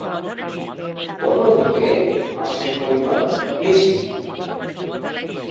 অন্যদিকে আঁশের পরিমাণ বেশি।